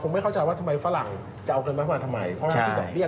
ไม่เข้าใจว่าทำไมฝรั่งจะเอาเงินไว้มาทำไมเพราะมันมีดอกเบี้